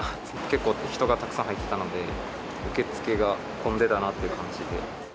結構、人がたくさん入ってたので、受け付けが混んでたなっていう感